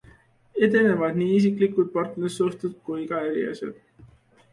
Edenevad nii isiklikud partnerlussuhted kui ka äriasjad.